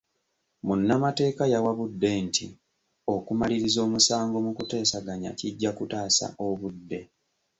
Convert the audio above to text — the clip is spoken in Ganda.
Munnamateeka yawabudde nti okumaliriza omusango mu kuteesaganya kijja kutaasa obudde.